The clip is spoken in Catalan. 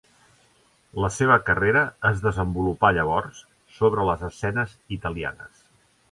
La seva carrera es desenvolupà llavors sobre les escenes italianes.